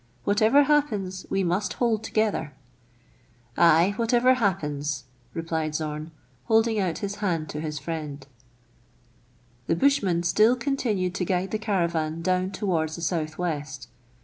Whatever happens, we must hold together." " Ay, whatever happens," replied Zorn, holding out his hand to his friend. The bushman still continued to guide the caravan down THREE ENGLISHMEN AND THREE RUSSIANS. 57 towards the south west.